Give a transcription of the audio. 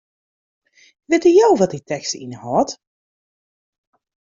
Witte jo wat dy tekst ynhâldt?